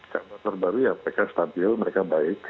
karena terbaru ya mereka stabil mereka baik